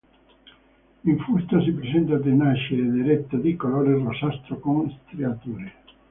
In fusto si presenta tenace ed eretto di colore rossastro con striature.